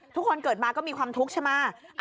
ทุกคนเกิดมาก็มีความทุกข์ใช่ไหม